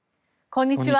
こんにちは。